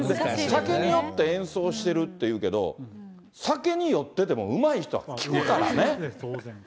酒に酔って演奏してるっていうけど、酒に酔っててもうまい人は弾くからね。